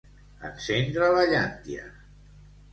Encendre la llàntia.